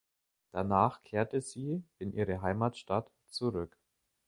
Danach kehrte sie in ihre Heimatstadt zurück.